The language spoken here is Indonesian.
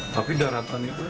tapi daratan itu